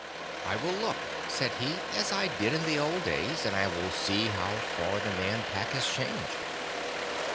"I will look," said he, "as I did in the old days, and I will see how far the Man Pack has changed."